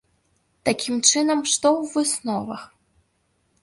Такім чынам, што ў высновах?